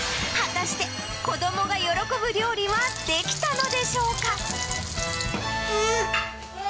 果たして子どもが喜ぶ料理は出来たのでしょうか。